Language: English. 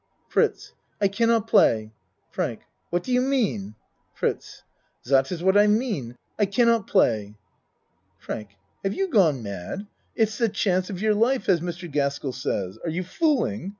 FRITZ I cannot play. FRANK What do you mean? FRITZ Dot is what I mean. I cannot play. FRANK Have you gone mad? It's the chance of your life, as Mr. Gaskell says. Are you fooling?